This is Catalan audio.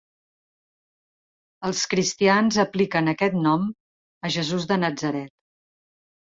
Els cristians apliquen aquest nom a Jesús de Natzaret.